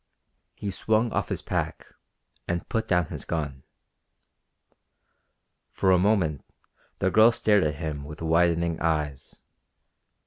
He swung off his pack and put down his gun. For a moment the girl stared at him with widening eyes.